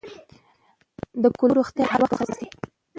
د کولمو روغتیا باید هر وخت وساتل شي.